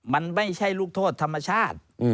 มันไม่ใช่ลูกโทษธรรมชาติ